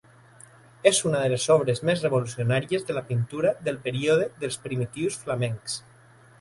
És una de les obres més revolucionàries de la pintura del període dels primitius flamencs.